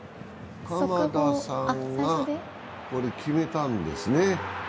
鎌田さんが決めたんですね。